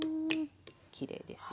きれいですよ。